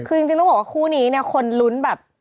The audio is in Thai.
คือจริงต้องบอกว่าคู่นี้เนี่ยคนลุ้นแบบ